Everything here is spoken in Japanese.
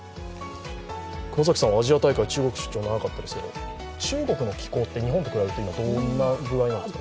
熊崎さんはアジア大会、中国長かったですけど中国の気候って日本と比べてどんな具合なんですか？